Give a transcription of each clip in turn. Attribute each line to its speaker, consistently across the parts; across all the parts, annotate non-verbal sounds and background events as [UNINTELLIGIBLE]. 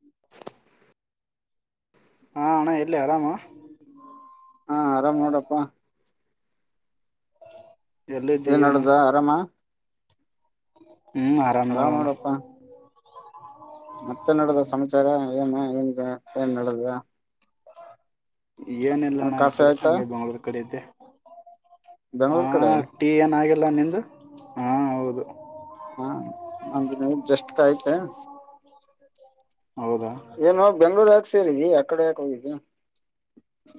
Speaker 1: [INAUDIBLE]
Speaker 2: ಹಾ ಅಣ್ಣಾ ಎಲ್ಲಿ ಆರಾಮ
Speaker 1: ಹಾ ಆರಾಮ್ ನೋಡಪ್ಪಾ
Speaker 2: ಎಲ್ಲಿದ್ದಿ
Speaker 1: ಏನ್
Speaker 2: ಏನು
Speaker 1: ನಡದ ಆರಾಮ
Speaker 2: ಹ್ಮ್ ಆರಾಮ್ ನೋಡ ಅಣ್ಣ
Speaker 1: ಮತ್ತೆನ ನಡದದ ಸಮಾಚಾರ [UNINTELLIGIBLE] ಏನ್ ನಡದ
Speaker 2: ಏನಿಲ್ಲಣ್ಣ ಈ
Speaker 1: ಕಾಫಿ
Speaker 2: ಕಡೆ
Speaker 1: ಆಯ್ತಾ
Speaker 2: ಹಗೆ ಬೆಂಗ್ಳೂರ್ ಕಡೆ ಇದ್ದೆ ಹ
Speaker 1: ಬೆಂಗ್ಳೂರ್ ಕಡೆ
Speaker 2: ಟೀ ಅಣ್ಣ ಆಗಿತಿ ಇಲ್ಲ ನಿಂದು ಹಾ ಹೌದು.
Speaker 1: ಹಾ ಹಾಗ. ನ ಜಷ್ಟ ಆಯ್ತಾ.
Speaker 2: ಹೌದಾ
Speaker 1: ಏನು ಬೆಂಗ್ಳೂರು ಆ. ಸೇರಿದಿ ಆ ಕಡೆ ಯಾಕ ಹೋಗಿದ್ದಿ.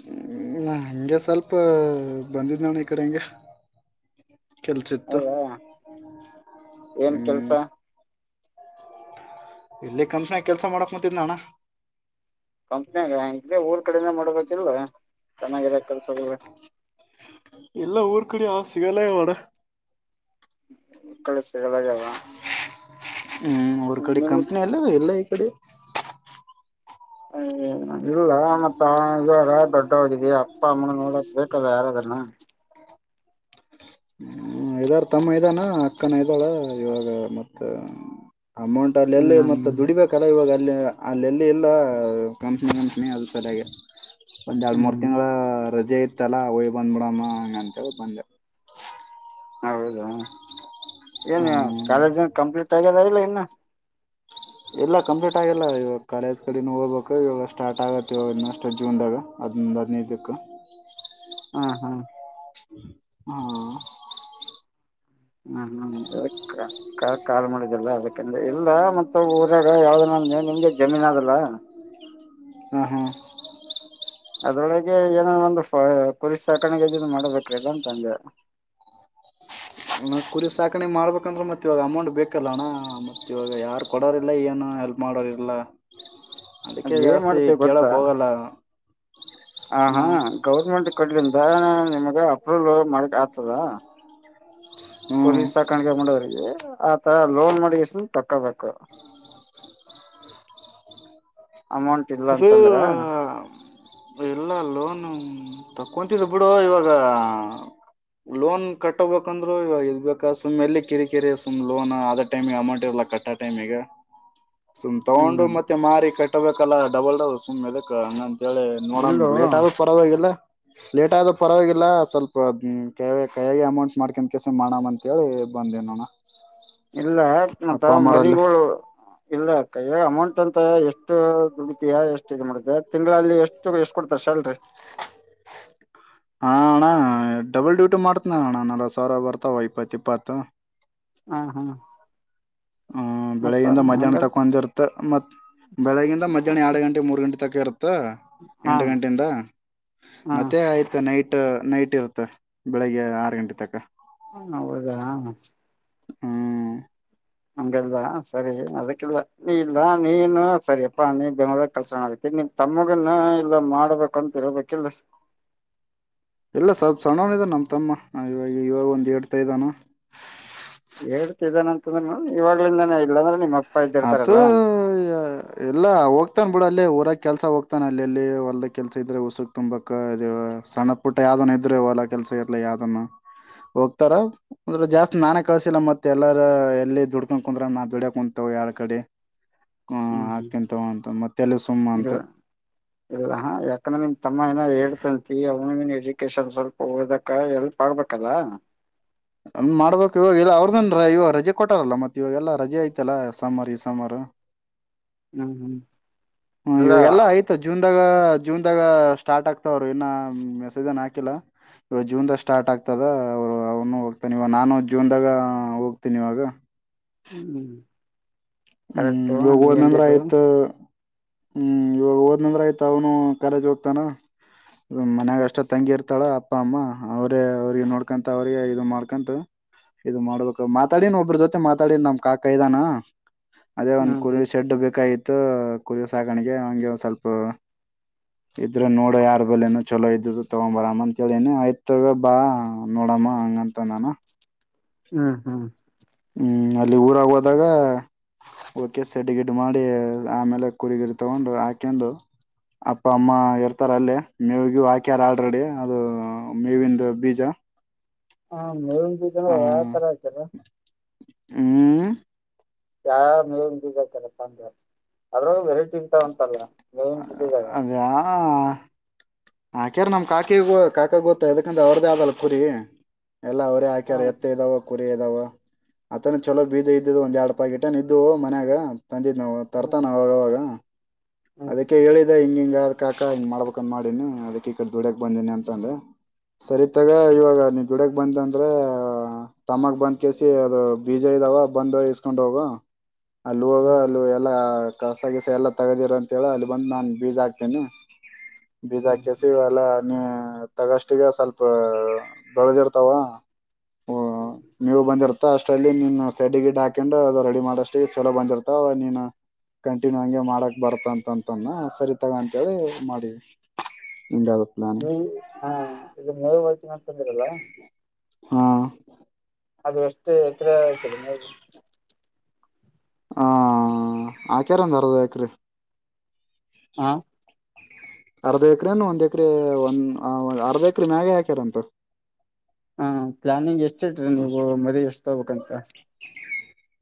Speaker 2: ಹ್ಮ ಹಗೆ ಸ್ವಲ್ಪ ಬಂದಿದ್ ನೋಣ ಈ ಕಡೆ ಹೆಂಗ. ಕೆಲ್ಸಿತ್ತು
Speaker 1: ಹೌದಾ ಏನ್ ಕೆಲ್ಸ
Speaker 2: ಹ್ಮ್. ಇಲ್ಲಿ ಕನಷಣ ಕೆಲ್ಸ ಮಾಡಕ್ ಮತ್ತಿದಣ್ಣ.
Speaker 1: ಕಂಪ್ನಊ. ಕಡೆನ ಮಾಡಬೇಕಿಲ್ವಾ ಚೆನ್ನಾಗಿಾಗಿದೆ ಕೆಲ್ಸಗಳು.
Speaker 2: ಎಲ್ಲ ಊರ್ ಕಡೆ ಆ ಸಿಗಲ್ಲ ಮಾಡಡ.
Speaker 1: ಕಳಿಸ್ತಾವ [UNINTELLIGIBLE]
Speaker 2: ಹ್ಮ್ ಅವ್ರ ಕಡೆ ಕಂಪ್ನಿ ಎಲ್ಲೈತೆ
Speaker 1: ಹ ಇಲ್ಲ ಮತ್ತ ಇವಲ್ಲ ದೊಡ್ಡ ಹೋಗಿದ್ದ ಅಪ್ಪ ಅಮ್ಮನ ನೋಡಕ್ ಬಟಲ್ಲ ಯಾರದನ್ನ.
Speaker 2: ಹ್ಮ್ ಇದಾರ ತಮ್ಮ ಇದಾನ ಅಕ್ಕನ ಇದ್ದಾಳ ಇವಾಗ ಮತ್ತ. ಅಮೌಂಟ್ ಅಲ್ಲಿ ಎಲ್ಲಿ ಮತ್ತೆ
Speaker 1: ಹ್ಮ್
Speaker 2: ದುಡಿಬೇಕಲ್ಲ ಇವಾಗ. ಅಲ್ಲಿ ಅಲ್ಲೆಲ್ಲಿ ಎಲ್ಲ ಕಂಪ್ನಿ ಕಂಪ್ನಿ ಅದು ಸರಿಯಾಗಿ ಒಂದ್ ಎರಡು ಮೂರ್
Speaker 1: ಹ್ಮ್
Speaker 2: ತಿಂಗಳ ರಜೆ ಐತ ಇತ್ತಲ್ಲಾ ಒಯ್ ಬಂದ್ಬಿಡಮ್ಮ ಹಂಗ ಅಂತ ಬಂದೆವು
Speaker 1: ಏನು
Speaker 2: ಹ್ಮ್
Speaker 1: ಕಾಲೇಜ್ ಕಂಪ್ಲೀಟ್ ಆಗ್ಯದ ಇಲ್ಲ ಇನ್ನು ಹ
Speaker 2: ಎಲ್ಲ ಕಂಪ್ಲೀಟ್ ಆಗಲ್ಲ ಇವಾಗ ಕಾಲೇಜ್ ಕಡೆನ ಹೋಗ್ಬೇಕು ಇವಾಗ ಸ್ಟಾರ್ಟ್ ಆಗತ್ತೆ ಇವಾಗ ಇನ್ನಷ್ಟಟ್ ಜೂನ್ದಾಗ ಹದೊಂದು ಹದಿನೈದಕ್ಕೆ
Speaker 1: ಹಾ ಹಾ
Speaker 2: ಹ್ಮ
Speaker 1: ಹ್ಮ್ ಹ್ಮ್ ಕಾಲ್ ಮಾಡಳ ಅದಕಂದ್ರೆ ಇಲ್ಲ ಮತ್ತ ಊರಾಗ ಯಾವ್ದ ನ ನಿಮ್ದೇ ಜಮೀನ್ ಅದಲ್ಲ
Speaker 2: ಆಹ
Speaker 1: ಅದ್ರೊಳಗೆ ಏನ ಒಂದು ಕುರಿಸ್ ಸಾಕಾಣಗ ಇದನ್ ಮಾಡ್ಬೇಕ್ರಿಲ್ಲ ಅಂತ ಅಂದೆ
Speaker 2: ಕುರಿ ಸಾಕಣೆ ಮಾಡ್ಬೇಕಂದ್ರೆ ಮತ್ತೆ ಇವಾಗ ಅಮೌಂಟ್ ಬೇಕಲ್ಲ ಅಣ್ಣ ಮತ್ತ ಇವಾಗ ಯಾರು ಕೊಡೋರ್ಲ್ಲ ಏನು ಹೆಲ್ಪ್ ಮಾಡೋರಿಲ್ಲ
Speaker 1: ಅದ್
Speaker 2: ಅದಕ್ಕೆ ಜಾಸ್ತಿ ಕೇಳಕ್ ಹೋಗಲ್ಲ
Speaker 1: ಹ ಹಾ ಗೌರ್ಮೆಂಟ್ ಕಡ್ಲಿಂದ. ಅಣ ನಿಮ್ಗೆ ಅಪ್ರೂವಲ್ ಮಾಡಕ್ ಆಗ್ತದ.
Speaker 2: ಹ್ಮ್
Speaker 1: ಕುರಿ ಸಾಕಾಣಿಕೆ ಮಾಡೋರೇ ಆತರ ಲೋನ್ ಮಾಡಿ ಯಷ್ಟು ತಕ್ಕೊೋಬೇಕು.
Speaker 2: ಅದದು
Speaker 1: ಅಂತಂದ್ರ
Speaker 2: ಎಲ್ಲ ಲನು. ಕುಂತಿದ ಬಿಡು ಇವಾಗ ಲೋನ್ ಕಟ್ಟಬೇಕಂದ್ರು ಇವಾಗ ಇದಬೇಕ ಸುಮ್ ಎಲ್ಲಿ ಕಿರಿ ಕಿರಿ ಸುಮ್ ಲೋನ್ ಆದ ಟೈಮಿಗೆ ಅಮೌಂಟ್ ಇರಲ್ಲ ಕಟ್ಟ ಟೈಮಗ. ಸುಮ್ ತಗೊಂಡು
Speaker 1: ಹ್ಮ್
Speaker 2: ಮತ್ತೆ ಮಾರಿ ಕಟ್ಟ ಬೇಕಲ್ಲ ಡಬಲ್ ಡಬಲ್ ಸುಮಾ ಎದಕ ಕೇಳಿ ನೋಡೋಣ
Speaker 1: ಇಲ್ಲೋ
Speaker 2: ಲೇಟ್ ಆಗೆ ಪರವಾಗಿೆಲ್ಲ ಲೇಟ್ ಆದ ಪರವಾಗಿಲ್ಲ ಸ್ವಲ್ಪ ಕೈಯಗ ಅಮೌಂಟ್ ಮಾಡ್ಕನ್ ಕೆಸ ಮಾಡಮ ಅಂತೇಳಿ ಬಂದೇನೋಣ
Speaker 1: ಇಲ್ಲ ಯ
Speaker 2: ಅಪ್ಪ
Speaker 1: ಮತ್ತ
Speaker 2: ಅಮ್ಮರಲ್ಲಿ
Speaker 1: ಮರಿಗುಳು. ಇಲ್ಲ ಅಕ್ಕಯ ಅಮೌಂಟ್ ಅಂತ ಎಷ್ಟು ದುಡಿತಯಾ ಎಷ್ಟು ಇ ಮಾಡತ ತಿಂಗಳಲ್ಲಿ ಎಷ್ಟು ಎಷ್ಟ ಕೊಡ್ತಾರೆ ಸ್ಯಾಲ್ರಿ
Speaker 2: ಹಾ ಅಣ್ಣ ಬಲ್ ಡ್ಯೂಟಿ ಮಾಡ್ತನ ಅಣ್ಣ ನಲ್ವ ಸಾವಿರ ಬರ್ತಾವ ಇಪ್ಪತ್ತು ಇಪ್ಪತ್ತು
Speaker 1: ಹಾ ಹಾ
Speaker 2: ಹ ಬೆಳಿಗಿಂದ ಮಧ್ಯಾಹ್ನ ತಗೊಂದಿರುತ್ತೆತ್ತತ್ ಬೆಳಿಗಿಂದ ಮಧ್ಯಾಹ್ನ ಎರಡು ಗಂಟೆ ಮೂರು ಗಂಟೆ ತಕ ಇರುತ್ತೆ ಎಂಟ
Speaker 1: ಹಾಂ
Speaker 2: ಗಂಟೆಯಿಂದ
Speaker 1: ಹಾಂ
Speaker 2: ಮತ್ತೆ ಆಯ್ತ ನೈಟ್ ಟ್ ನೈಟ್ ಇರುತ್ತ ಬೆಳಿಗ್ಗೆ ಆರು ಗಂಟೆ ತಕ
Speaker 1: ಹ್ಮ ಹೌದಾ ಹ
Speaker 2: ಹ್ಮ್
Speaker 1: ಹಗೆಲ್ಲ ಸರಿ ಅದಕ್ಕಿಲ್ಲ ನೀ ಇಲ್ಲ ನೀನು ಸರಿಯಪ್ಪಾ ನೀ ಬೆಂಗಳೂರ್ಗ್ ಕಲ್ಸೋಣ ಆತಿ ನಿಮ್ ತಮ್ಮಗನ್ನ ಇಲ್ಲ ಮಾಡ್ಬೇಕುಂತ ಇಳ್ಬೇಕಿಲ್ಲ
Speaker 2: ಎಲ್ಲ ಸ್ವಲ್ಪ ಸಣನಿದ ನಮ್ ತಮ್ಮ ಇವಾಗ ಇವಾಗ ಒಂದ್ ಹೇಡ್ತಾ ಇದ್ದಾನ
Speaker 1: ಹೇಳ್ತಿದ್ದೇನೆ ಅಂತಂದ್ರ ಇವಾಗ್ಲಿಂದಾನೇ ಇಲ್ಲಾಂದ್ರೆ ನಿಮ್ಮಪ್ಪ
Speaker 2: ಅತ ಎಲ್ಲಾ ಹೋಗ್ತನ್ ಬಿಡ ಅಲ್ಲಿ ಊರ ಕೆಲ್ಸ ಹೋಗ್ತಾನೆ ಅಲ್ಲಿ ಎಲ್ಲಿ ಹೊಲದ ಕೆಲ್ಸ ಇದ್ರೆ ಉುಸಕ್ ತುಂಬಕ್ ಇ ಸಣ್ಣ ಪುಟ್ಟ ಯಾವ್ದನ್ ಇದ್ರೆ ಹೊಲ ಕೆಲ್ಸ ಇರ್ಲ ಯಾವ್ದ ಹೋಗ್ತಾರ ಅಂದ್ರೆ ಜಾಸ್ತಿ ನಾನೇ ಕಳ್ಸಿಲ್ಲ ಮತ್ತತ್ ಎಲ್ಲಾರ ಎಲ್ಲಿ ದುಡ್ಕೊಂಡ ಕುಂದ್ರ ನಾ ದುಡಿಯಕ್ ಕು ಯಾರ ಕಡೆ ಆ
Speaker 1: ಹ್ಞೂ
Speaker 2: ಹ
Speaker 1: ಹ್ಞೂ
Speaker 2: ಆಾತಂತಗಂತ ಮೆ
Speaker 1: ಇಲ್ಲ ಇಲ್ಲದ ಯಾಕಂದ್ರೆ ನಿಮ್ ತಮ್ಮ ಏನ ಹೇಳ್ತಂತ ಅವನು ಎಜುಕೇಶನ್ ಸ್ವಲ್ಪ ಹದಕ್ಕ ಎಲ್ಪ್ ಆಗ್ಬೇಕಲ್ಲ
Speaker 2: ಮಾಡ್ಬೇಕಕ್ ಇವಾಗ ಇಲ್ಲ ಅವ್ರದನ್ ಇವ ರಜೆ ಕೊಟ್ಟಾರಲ್ಲ ಮತ್ತತ್ ಇವಾಗ ಎಲ್ಲಾ ರಜೆ ಐ್ತಲ್ಲ ಸಂಬಾರು ಈ ಸಾಮಾರು
Speaker 1: ಹ್ಮ್ ಹ್ಮ್
Speaker 2: ಹ್ಮ
Speaker 1: ಇಲ್ಲ
Speaker 2: ಇವಾಗ ಎಲ್ಲ ಆಯ್ತು ಜೂನ್ ಜಾಗ ಜೂನ್ ದಾಗ ಸ್ಟಾರ್ಟ್ ಆಗ್ತಾವರು ಇನ್ನ ಮೆಸೇಜನ್ ಹಾಕಿಲ್ಲ ಇವಾಗ ಜೂನ್ ದಾಗ ಸ್ಟಾರ್ಟ್ ಆಗ್ತದ ಅವರು ಅವನು ಹೋಗ್ತಾನ ಇವ ನಾನು ಜೂನ್ ದಾಗ ಹೋಗ್ತೀನಿ ಇವಾಗ
Speaker 1: ಹ್ಮ್
Speaker 2: ಹ್ಮ್
Speaker 1: ಕರೆಕ್ಟು ನೀ
Speaker 2: ಯೋಗುವದಂದ್ರ
Speaker 1: ಎಂದಿದ್ದು
Speaker 2: ಆಯ್ತ ಹ್ಮ್ ಇವಾಗ ಹೋದ್ನಂದ್ರ ಆಯ್ತ ಅವನು ಕಾಲೇಜ್ ಹೋಗ್ತಾನ ಮನ್ಯಾಗ ಅಷ್ಟ ತಂಗಿ ಇರ್ತಾಳ ಅಪ್ಪ ಅಮ್ಮ ಅವ್ರೇ ಅವ್ರಿಗೆ ನೋಡ್ಕೊಂತ ಅವ್ರಿಗೆ ಇದು ಮಾಡ್ಕಂತ ಇದು ಮಾಡ್ಬೇಕಕ್ ಮಾತಾಡಿನ ಒಬ್ಬ್ರ ಜೊತೆ ಮಾತಾಡ ನಮ್ ಕಾಕ ಇದಾನ ಅದೇ ಒಂದ್
Speaker 1: ಹ್ಮ್
Speaker 2: ಕುರಿಳ ಶೆಡ್ ಬೇಕಾಗಿತ್ತು ಆಯ್ತ ಕುರಿ ಸಾಕಾಣಿಗೆ ಹಂಗಗೆ ಒ ಸ್ವಲ್ಪ ಇದ್ರೆ ನೋಡ ಯಾರ ಬಲ್ಲೇನ ಚಲೋ ಇದ ತಗೊಂಡ್ ಬರಮ್ಮ ಅಂತೇಳನಿ ಆಯ್ತ ಬಾ ನೋಡಮ್ಮ ಹಂಗಂತ ನಾನು
Speaker 1: ಹ್ಮ್ ಹ್ಮ್
Speaker 2: ಹ್ಮ್ ಅಲ್ಲಿ ಊರಾಗ ಹೋದಾಗ ಓಕೆ ಸೆಡ್ ಗಿಡ್ ಮಾಡಿ ಆಮೇಲೆ ಕುರಿ ಗುರಿ ತಗೊಂಡು ಹಾಕೊಂಡು ಅಪ್ಪ ಅಮ್ಮ ಇರ್ತಾರ ಅಲ್ಲೇ ಮೇವಿಗೂ ಹಾಕ್ಯಾರ ಆಲ್ರೆಡಿ ಅದು ಮೇವಿಂದು ಬೀಜ
Speaker 1: ಹಾ ನೀ ಬ
Speaker 2: ಆ
Speaker 1: ಯಾವ ತರ ಆಯತಾರ
Speaker 2: ಹ್ಮ್
Speaker 1: ಯಾವ ಮೇತಾರಪ್ಪ ಅಂದ್ರ ಅದ್ರಾಗ ವೆರೈ ಚಿಂತಾ ಉಂಟಲ್ಲ ಮೇನ್ಿದಾಗ
Speaker 2: ಆಾಕ್ಯಾರ ನಮ್ ಕಾಕಿ ಕಾಕಾಗ ಗೊತ್ತ ಅದಕ್ಕಂದ ಅವ್ರದೇ ಆದಲ್ಲ ಕುರಿ ಎಲ್ಲ ಅವ್ರೇ ಹಾಕ್ಯ
Speaker 1: ಹ್ಮ್
Speaker 2: ಎತ್ತ ಇದಾವ ಕುರಿ ಾವ ಅತನ ಚಲೋ ಬೀಜ ಇದ್ದಿದ್ದ ಒಂದ್ ಎರಡ್ ಪಾಕಿಟ ನ ಇದಿದ್ದ ಮನ್ಯಾಗ ತಂದಿತ್ ನಾವು
Speaker 1: ಹ್ಮ್
Speaker 2: ತರ್ತಾನ ಅವಾಗವಾಗ
Speaker 1: ಹ್ಮ್
Speaker 2: ಅದಕ್ಕೆ ಹೇಳಿದ ಹಿಂಗ ಹಿಂಗ ಾಕ ಹಂಗ ಮಾಡಬೇಕಕ್ಂದ ಮಾಡಿನು ಅದಕ್ಕೆ ಈ ಕಡೆ ದುಡ್ಯಕ್ ಬಂದೀನಿ ಅಂತ ಅಂದ್ರೆ ಸರಿತಗ ಇವಾಗ ನೀನ್ ದುಡ್ಯಕ್ ಬಂದ ಅಂದ್ರ ತಮ್ಮಕ್ ಬಂದ ಕೇಸಿ ಅದು ಬೀಜ ಇದಾವ ಬಂದು ಇಸ್ಕೊಂಡ್ ಹೋಗ ಅಲ್ಲಿ ಹೋಗ
Speaker 1: ಹ್ಮ್ ಹ್ಮ್
Speaker 2: ಅಲ್ಲಿ ಎಲ್ಲ ಕಸಗಸ ಎಲ್ಲಾ ತಗದಿರ ಅಂತ ಹೇಳ ಅಲ್ಲಿ ಬಂದು ನಾ ಬೀಜ ಹಾಕ್ತೇನೆ
Speaker 1: ಹ್ಮ್ ಹ್ಮ್
Speaker 2: ಲ್ಲ ನೀ ತಗಷ್ಟಗ ಸ್ವಲ್ಪ ಬೆಳದಿರ್ತಾವ
Speaker 1: ಹ್ಮ್್ಮ
Speaker 2: ಮ ಅಷ್ಟಲ್ಲಿ ನೀನ್ ಸೆಡಿ ಗಿಡ್ ಹಾಕೊಂಡು ಅದು ರೆಡಿ ಮಾಡಷ್ಟ ಚಲೋ ಬಂದಿರ್ತಾವ ನೀನು ಕಂಟಿನ್ಯೂ ಹಂಗೆ ಮಾಡಕ್ ಬರ್ತ ಅಂತಂತನ್ ಸರಿತಗ ಅಂತೇಳಿ ಮಾಡೀ
Speaker 1: ಈ ಹಾ ಈದು ಮ ಿರಲ್ಲ
Speaker 2: ಹಾ
Speaker 1: ಅದು ಎಷ್ಟು ಎಕರ ಆಯತರಿ ನೀವು
Speaker 2: ಹಾ ಆ ಕೆಾರಂದಾರದ ಯಕ್ರ
Speaker 1: ಹಾ
Speaker 2: ಅರ್ಧ ಎಕ್ರೇನು ಒಂದ್ ಎಕರೆ ಒಂದ ಬರ್ದ ಕ್ರ ಮ್ಯಾಗೆ ಹಾಕ್ಯಾರಂತ
Speaker 1: ಹಾ ಪ್ಲಾನಿಂಗ್ ಎಷ್ಟು ನೀವು ಮರಿ ಎಷ್ಟು ತಗಬೇಕಂತ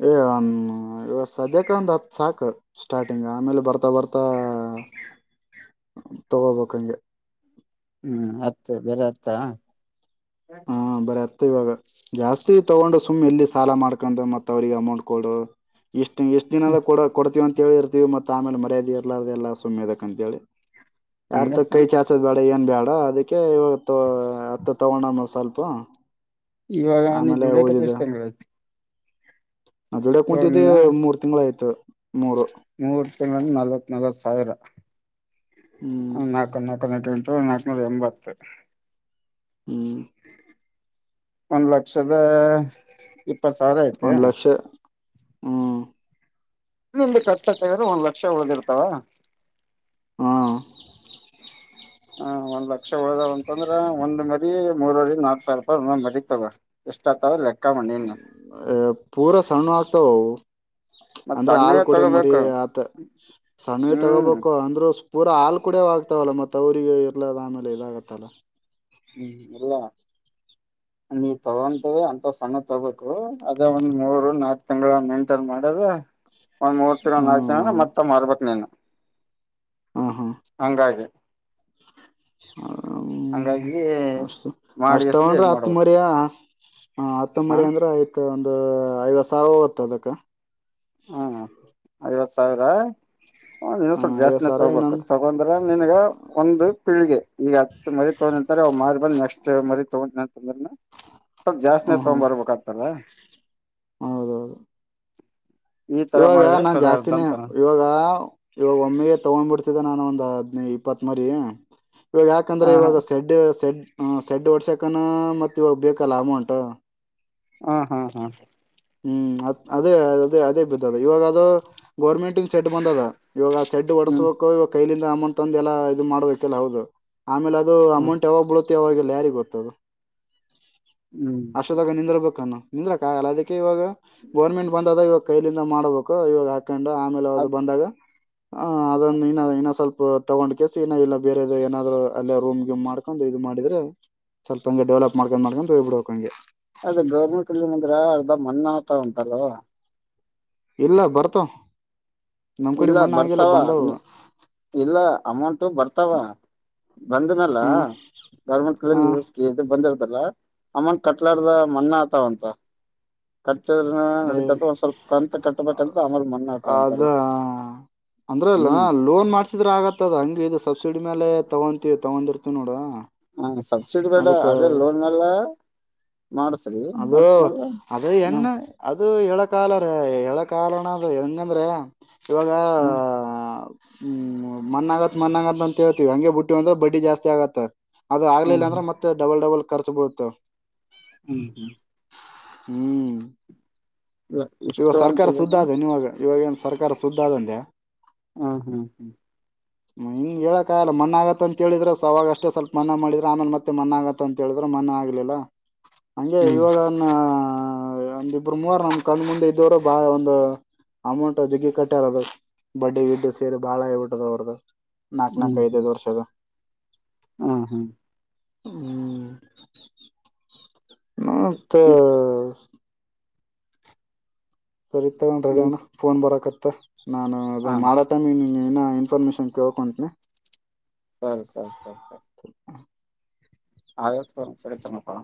Speaker 2: ಏ ಒಂದವ ಸದ್ಯಕ್ಕೆ ಒಂದ್ ಹತ್ ಸಾಕು ಸ್ಟಾರ್ಟಿಂಗ್ ಆಮೇಲೆ ಬರ್ತಾ ಬರ್ತಾ ತಗೋಬೇಕ ಹಂಗೆ
Speaker 1: ಹ್ಮ್ ಆತ್ ಬೇರೆ ಆತ್ತಾ ಹ
Speaker 2: ಮ ಇವಾಗ ಜಾಸ್ತಿ ತಗೊಂಡು ಸುಮ್ ಎಲ್ಲಿ ಸಾಲ ಮಾಡ್ಕೊಂಡು ಮತ್ತ ಅವ್ರಿಗೆ ಅಮೌಂಟ್ ಕೊ ಎಷ್ಟು ಎಷ್ಟ್ ದಿನದ ಕೊಡ ಕೊಡ್ತೀವಿ ಅಂತ ಹೇಳಿರ್ತೀವಿತ್ತ ಆಮೇಲೆ ಮರ್ಯಾದೆ ಇರಲಾರದೆ ಎಲ್ಲ ಸುಮ್ಮ್ ಅದ ಅಂತ ಹೇಳಿ ಯಾರ ತ
Speaker 1: ಹಂಗತ್ತ
Speaker 2: ಕೈ ಚಾಸೋ ಮಾಡಳ ಏನ್ ಬೇಡ ಅದಕ್ಕೆ ಇವಾಗ ಅತ್ತ ತಗೊಂಡ ಮ ಸ್ವಲ್ಪ
Speaker 1: ಇವಾಗ ನೀ
Speaker 2: ಆಮೇಲೆ
Speaker 1: ದುದಿಕತ್ತು
Speaker 2: ಓದಿದೆ
Speaker 1: ಎಷ್ಟ್ ತಿಂಗ್ಳು ಆಯ್ತು
Speaker 2: ಅದಡ್
Speaker 1: ಇವಾಗ
Speaker 2: ಕುಂತತಿ
Speaker 1: ನೀನು
Speaker 2: ಮೂರ್ ತಿಂಗಲ್ ಆಯ್ತ್ ತ್ ಮೂರು
Speaker 1: ಮೂರ್ ತಿಂಗ್ ನಲ್ವತ್ ನಲ್ವತ್ ಸಾವಿರ
Speaker 2: ಹ್ಮ್
Speaker 1: ಹ ನಕನ್ ನಕನ್ ಎಂಟು ಟು ನಕ್ ನೂರ ಎಂಬತ್ತು
Speaker 2: ಹ್ಮ್
Speaker 1: ಒಂದ್ ಲಕ್ಷದಾ ಇಪ್ಪತ್ ಸಾವಿರ ಐತ.
Speaker 2: ಒಂದ್ ಲಕ್ಷ ಹ್ಮ್
Speaker 1: ವಕ್ಷ ಉಳದಿರ್ತಾವ
Speaker 2: ಹ್ಮ
Speaker 1: ಹ ಒಂದ್ ಲಕ್ಷ ಹೋದಾವ್ ಅಂತಂದ್ರ ಒಂದ್ ಮರಿ ಮೂರವರಿ ನಾಲ್ಕ್ ಸಾವಿರ ರೂಪಾಯಿ ಒಂದ್ ಮರಿ ತಗೋ ಎಷ್ಟ ಆತದ ಲೆಕ್ಕ ಮಣ್ಣಿ ಇನ್
Speaker 2: ಅ ಪೂರಾ ಸಣ್ಣ ಆಗ್ತಾವ ಅವು
Speaker 1: ಮತ್
Speaker 2: ಅಂದ್ರೆ ಹಾಲ್
Speaker 1: ಸಣ್ಣವೇ
Speaker 2: ಕುಡ ಮರಿ
Speaker 1: ತಗೋಬೇಕು
Speaker 2: ಆತ ಸಣ್ಣ
Speaker 1: ಹ್ಮ್
Speaker 2: ತಗೋಬೇಕು ಅಂದ್ರರು ಪೂರಾ ಹಾಲ್ ಕುಡ ಆಗ್ತ ಆತ್ತವಲ್ಲ ಮತ್ತೆ ಅವ್ರರಿಗೆ ಇರ್ಲದ ಆಮೇಲೆ ಇದಾಗತ್ತಲ್ಲ.
Speaker 1: ಹ್ಮ್ ಅದಾ. ನೀವ ತಗೊಂತೀವಿ ಅಂತ ಸಣ್ಣ ತಗಬೇಕು ಅದೇ ಒಂದ್ ಮೂರು ನಾಕು ತಿಂಗಳ ಮೇಂಟೈನ್ ಮಾಡದ. ಒಂದ್ ಮೂರ್ ತಿಿನ ನಾಕು ಜನ
Speaker 2: ಹ್ಮ್
Speaker 1: ಮತ್ತ ಮರ್ಬಕ್ ನೀನ್.
Speaker 2: ಹಾ ಹಾ
Speaker 1: ಹಂಗೆ.
Speaker 2: ಹ್ಮ್
Speaker 1: ಹಂಗಾಗಿ
Speaker 2: ಅಷ್ಟ
Speaker 1: ಮಾಡಿ
Speaker 2: ಅಷ್ಟ
Speaker 1: ಎಷ್ಟ
Speaker 2: ತಗೊಂಡ್ರೆ
Speaker 1: ಇದ್
Speaker 2: ಹತ್ತ
Speaker 1: ಮಾಡ್ಬೇಕು
Speaker 2: ಮರಿ ಹ ಹತ್ತ
Speaker 1: ಹ
Speaker 2: ಮರಿ ಅಂದ್ರೆ ಆಯ್ತ. ಒ ಐವತ್ತು ಸಾವಿರ ವತ್ತು ಅದಕ್ಕ.
Speaker 1: ಹ್ಮ ಐವತ್ ಸಾವಿರ. ಹ ನೀವ ಸ್ವಲ್
Speaker 2: ಐವತ್
Speaker 1: ಜಾಸ್ತಿನ
Speaker 2: ಸಾವಿರ
Speaker 1: ತೊಗೋಬೇಕು
Speaker 2: ಇನ್ನೊಂದು
Speaker 1: ತಗೊಂಡ್ರೆ ನನ್ಗ ಒಂದು ಪೀಳಿಗೆ. ಈಗ ಹತ್ ಮರಿ ತಗ ಅಂತ್ರ ಅವ್ ಮಾರ್ ಬಂದ ನೆಕ್ಸ್ಟ್ ಮರಿ ತಗ ಅಂತಂದ್ರನು. ಸ್ವಲ್ ಜಸ್ತಿಿನ
Speaker 2: ಹ್ಮ್
Speaker 1: ತಗೊ
Speaker 2: ಹ್ಮ್
Speaker 1: ಬರ್ಬೇಕಾಗ್ತಾರ.
Speaker 2: ಹೌದೌದು.
Speaker 1: ಈ ತರ
Speaker 2: ಇವಾಗ
Speaker 1: ಮಾಡಿದ್ರೆ
Speaker 2: ನಾನ್
Speaker 1: ಚಲೋ
Speaker 2: ಜಾಸ್ತಿನೇ
Speaker 1: ಇರ್ತಂತ
Speaker 2: ಇವಾಗ ಇವಾಗ ಒಮ್ಮೆಗೆ ತಗೊಂಡ್ಬಿಡ್ತಿ. ನಾನು ಒಂದು್ ಹದ್ನಿ ಇಪ್ಪತ್ ಮರಿ. ಇವಾಗ ಯಾಕಂದ್ರೆ
Speaker 1: ಹ ಹಾ
Speaker 2: ಇವಾಗ ಶೆಡ್ ಶೆಡ್. ಹ ಸೆಡ್ ಒಡ್ಸಕನ ಮತ್ತ ಇವಾಗ ಬೇಕಲ್ಲ ಅಮೌಂಟ್.
Speaker 1: ಹ ಹಾ ಹಾ.
Speaker 2: ಹ್ಮ್ ಅ ಅದೇ ಅದೇ ಅದೇ ಬಿದ್ದದ ಇವಾಗ ಅದು. ಗೌರ್ಮೆಂಟ್್ ಸೆಡ್ ಬಂದದ ಇವಾಗ ಆ ಸೆಡ್
Speaker 1: ಹ್ಮ್
Speaker 2: ಡಸ್ಬೇಕು ಇವಾಗ ಕೈಿಂದ. ಅಮ್ಮನ್ ತಂದು ಎಲ್ಲಾ ಇದು ಮಾಡ್ಬೇಕಲ್ಲ ಹೌದು. ಆಮೇಲೆ ಅದು
Speaker 1: ಹ್ಮ್
Speaker 2: ಅಮೌಂಟ್ ಯಾವಾಗ ಬಳುತ್ತೆ. ಮತ್ತ ಅವಾಗೆಲ್ಲ ಯಾರಿಿಗೆ ಗೊತ್ತದು.
Speaker 1: ಹ್ಮ್
Speaker 2: ಅಷ್ಟೋದಾಗ ನಿಂದರರ್ಬೇಕಾನ. ನಿಂದ್ರಾಗಲ್ಲ ಅದಕ್ಕೆ. ಾ ಇವಾಗ ಗೋರ್ಮೆಂಟ್ ಬಂದದ ಇವಾಗ ಕೈಲಿಂದ ಮಾಡಬೇಕು ಇವಾಗಾ. ಹಕೊಂಡು ಆಮೇಲೆ
Speaker 1: ಅ
Speaker 2: ಅವದು ಬಂದಾಗ. ಹ ಅದನ್ನು ಇನ್ನ ಇನ್ನ ಸ್ವಲ್ಪ. ತೊಗೊಂಡ್ ಕೆಸ ಏನ ಇಲ್ಲ ಬೇರೆ ಏಾದರು ಅೇ ರೂಮ್ ಗ್ಕೊಂಡ್ ಇದು ಮಾಡಿದ್ರೆ ಸ್ವಲ್ಪ ಹಂಗೆ ಡೆವಲಪ್ ಮಾಡ್ಕೊಂಡ್ ಮಾಡ್ಕೊಂಡು ಹೋಗ್ಬಿಡ್ಬೇಕಕ್ ಹಂಗೆ.
Speaker 1: ಅದ ಗೌರ್ಮೆಂಟ್ ಇಲ್ಲಿಂದ್ರ ಅರ್ಧ ಮಣ್ಣ ಆತಾ ಉಂಟಲ್
Speaker 2: ಇಲ್ಲ ಬರ್ತಾ
Speaker 1: ಇಲ್ಲ ಬರ್ತಾವ ಇಲ್ಲ ಅಮೌಂಟ ಬರ್ತಾವ ಬಂದನಲ್ಲ
Speaker 2: ಹ್ಮ
Speaker 1: ಗೌರ್ಮೆಂಟ್
Speaker 2: ಹ
Speaker 1: ಕ ಬಂದ ಅಮ್ಮನ್ ಕಟ್ಲಡ್ದ ಮಣ್ಣ ಆತಾವಂತ ನಡೀ ಒಂದ್ ಸ್ವಲ್ಪ ಕಂತತ್ ಕಟ್ಟಬೇಕಂತ ಆಮೇಲ್ ಮಣ್ಣ ಆಟವಂತಲ್
Speaker 2: ಹ ಅಂದ್ರೆ ಲೋನ್ ಮಾಡ್ಸಿದ್ರೆ ಆಗತ್ತದ ಹಂಗಗೆ ಇ ಸಬ್ಸಿಡಿ ಮೇಲೆ ತಗೊಂತೀವಿ ತಗೊಂಡಿರ್ತಿವಿ ನೋಡ
Speaker 1: ಹ ಸಬ್ಸಿಡಿ ಬೇಡ
Speaker 2: ಅದಕ್ಕ
Speaker 1: ಅದೇ ಲೋನ್ ಮೇಲ್ಲ
Speaker 2: ಅದು ಅದು ಎನ್
Speaker 1: ಹ್ಮ್
Speaker 2: ಅದು ಎಳಕಾಲರ ಎಳ ಕಾಲಣ ಅದು ಹೆಂಗಂದ್ರೆ ಇವಾಗಾ.
Speaker 1: ಹ್ಮ್
Speaker 2: ಹ್ಮ್ ಮನ್ ಆಗತ್ ಮನ್ ಆಗತ್ತ ಅಂತ ಹೇಳ್ತವಿ ಹಂಗೆ ಬುಟ್ಟಿ ಅಂದ್ರ ಬಡ್ಡಿ ಜಾಸ್ತಿ ಆಗತ್ತ ಅದ ಆಗ್ಲಿಲ್ಲ
Speaker 1: ಹ್ಮ್
Speaker 2: ಅಂದ್ರೆ
Speaker 1: ಹ್ಮ್
Speaker 2: ಮತ್ತೆ ಡಬಲ್ ಡಬಲ್ ರ್ಚಬಹದು
Speaker 1: ಹ್ಮ್ ಹ್ಮ್
Speaker 2: [INAUDIBLE] ಹ್ಮ್
Speaker 1: ಇಲ್ಲ
Speaker 2: ಇವಾಗ
Speaker 1: ಇಷ್ಟು ಅಂತ
Speaker 2: ಸರ್ಕಾರ
Speaker 1: ಇದ
Speaker 2: ಸುದ್ದ ಅದೆ ನೀವಾಗ ಇವಾಗೇನ್ ಸರ್ಕಾರ ಸುದ್ದ ಆದಂದೆ
Speaker 1: ಹ ಹ್ಮ್ ಹ್ಮ್
Speaker 2: ಹೇಳಕ್ ಆಲ್ಲ ಮನ್ ಆಗತ್ತ ಅಂತಿದ್ರೆ ಸವಾಗ ಅಷ್ಟೇ ಸ್ವಲ್ಪ ಮನ ಮಾಡಿದ್ರೆ ಆಮೇಲೆ ಮತ್ತೆ ಮನ್ನ ಆಗತ್ತ ಅಂತ ಹೇಳಿದ್ರೆ ಮನ ಆಗ್ಲಿಲ್ಲ ಹಂಗೆ
Speaker 1: ಹ್ಮ್
Speaker 2: ಇವಾಗನ್ನ ಹ ಅ ಇಬ್ಬರು ಮೂವರು ನ ಕಂಡ ಮುಂದೆ ಇದ್ದವರು ಬಾಳ ಒಂದು ಅಮೌಂಟ್ ಜಿಗಿ ಕಟ್ಟ್ಯಾರದು ಬಡ್ಡಿ ಗಿಡ್ ಸೇರಿ ಬಾಳ ಹೇಬಿಟ್ಟದ ಅವರ್ದು ನಾಕ್ ನಾಕು ಐದೈದು ವರ್ಷದ
Speaker 1: ಹ ಹ್ಮ
Speaker 2: ಹ್ಮ್ ಮತ್ತೆ
Speaker 1: ಹ್ಮ್
Speaker 2: ಸರಿ ತಗೊಂಡ್ರೆ
Speaker 1: ಹ್ಮ್
Speaker 2: ಅಣ್ಣ ಫೋನ್ ಬರಕತ್ತ ತ್ತ ನಾನು ಅದು
Speaker 1: ಹ್ಮ್
Speaker 2: ಮಾಡಟ ಮಿ ಏನ ಇನ್ಫರ್ಮೇಶಷನ್ ಕ್ಯೋ ಅಕೌಂಟ್ನ
Speaker 1: ಸರಿ ಸರಿ ಸರಿ ಸರಿ ಹ ಸರಿ ತಮ್ಮಪ್ಪ